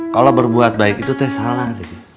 kalau berbuat baik itu teh salah